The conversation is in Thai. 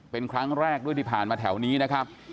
เป็นครั้งแรกด้วยที่ผ่านมาแถวนี้นะครับ